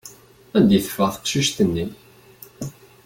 Anda i teffeɣ teqcict-nni?